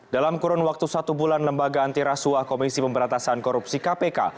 dalam kurun waktu satu bulan lembaga antirasuah komisi pemberantasan korupsi kpk